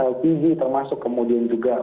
lpg termasuk kemudian juga